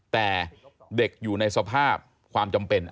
แต่เด็กอยู่ในสภาพความจำเป็น